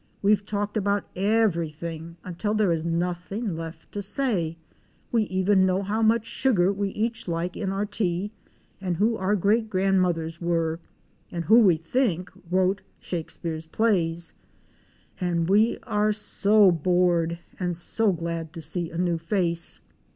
We've talked about everything until there is nothing left to say — we even know how much sugar we each like in our tea and who our great grandmothers were, and who we think wrote Shakespeare's plays; — and we are so bored and so glad to see a new face."